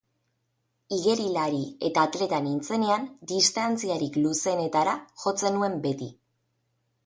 Igerilaria eta atleta nintzenean, distantziarik luzeenetara jotzen nuen beti.